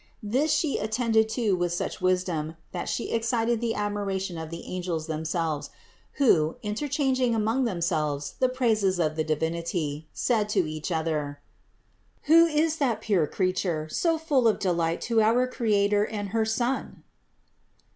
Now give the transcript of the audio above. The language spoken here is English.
This She attended to with such wisdom, that She excited the admiration of THE INCARNATION 597 the angels themselves, who, interchanging among them selves the praises of the Divinity, said to each other : "Who is that pure Creature, so full of delight to our Creator and her Son?